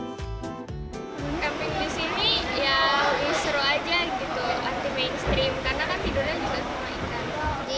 camping di sini ya seru aja gitu anti mainstream karena kan tidurnya juga lumayan kan